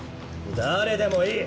誰でもいい。